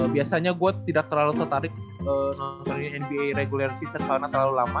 biasanya gue tidak terlalu tertarik nontonin nba regular season karena terlalu lama